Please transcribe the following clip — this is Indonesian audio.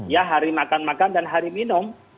ya hari makan makan dan hari minum